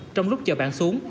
trong lúc chờ bạn xuống